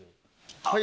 はい！